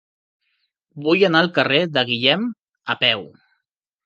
Vull anar al carrer de Guillem a peu.